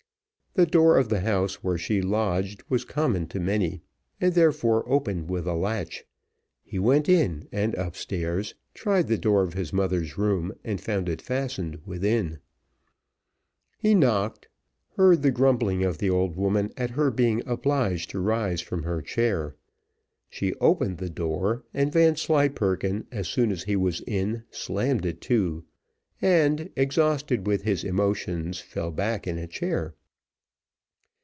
The door of the house where she lodged was common to many, and therefore opened with a latch. He went in, and upstairs, tried the door of his mother's room, and found it fastened within. He knocked, heard the grumbling of the old woman at her being obliged to rise from her chair: she opened the door, and Vanslyperken, as soon as he was in, slammed it to, and exhausted with his emotions, fell back in a chair.